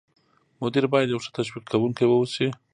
مدیر باید یو ښه تشویق کوونکی واوسي.